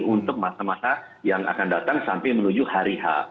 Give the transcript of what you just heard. untuk masa masa yang akan datang sampai menuju hari h